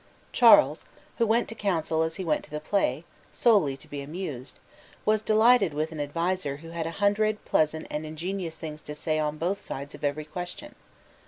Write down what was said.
Charles, who went to Council as he went to the play, solely to be amused, was delighted with an adviser who had a hundred pleasant and ingenious things to say on both sides of every question.